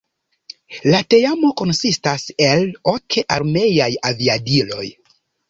La teamo konsistas el ok armeaj aviadiloj.